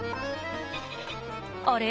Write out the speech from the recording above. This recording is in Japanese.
あれ？